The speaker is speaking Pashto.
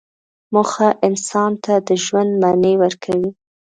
موخه انسان ته د ژوند معنی ورکوي.